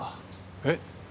えっ。